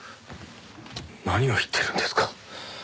何を言ってるんですか。